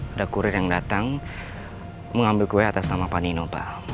ada kurir yang datang mengambil kue atas nama pak nino pak